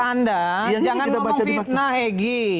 anda jangan ngomong fitnah hegi